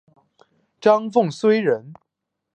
张凤翙人。